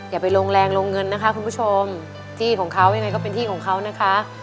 อย่าไปลงแรงลงเงินนะคะคุณผู้ชมที่ของเขายังไงก็เป็นที่ของเขานะคะ